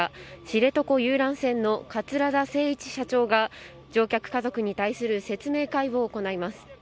知床遊覧船の桂田精一社長が乗客家族に対する説明会を行います。